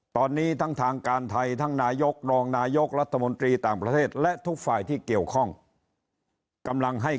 ตอนนี้ทั้งทางการไทยทั้งนายกรองนายกรัฐมนตรีต่างประเทศและทุกฝ่ายที่เกี่ยวข้องกำลังให้